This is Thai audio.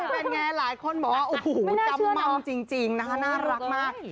เป็นไงหลายคนบอกว่าโอ้โหจำม่ำจริงนะคะน่ารักมาก